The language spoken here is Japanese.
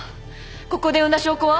ここで産んだ証拠は？